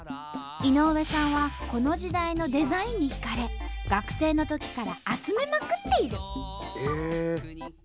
井上さんはこの時代のデザインにひかれ学生のときから集めまくっている。